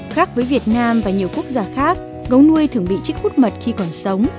khác với việt nam và nhiều quốc gia khác gấu nuôi thường bị trích hút mật khi còn sống